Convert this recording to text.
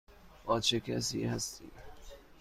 با چه کسی هستی؟